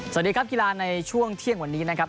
สวัสดีครับกีฬาในช่วงเที่ยงวันนี้นะครับ